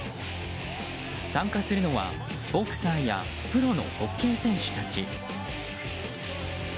参加するのはボクサーやプロのホッケー選手たち。